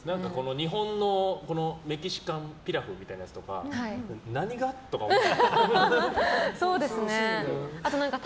日本のメキシカンピラフみたいなやつとか何が？とか思う。